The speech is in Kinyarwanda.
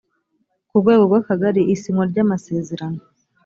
ku rwego rw akagari isinywa ry amasezerano